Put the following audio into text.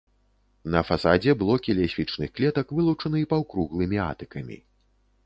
На фасадзе блокі лесвічных клетак вылучаны паўкруглымі атыкамі.